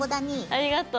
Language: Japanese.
ありがとう。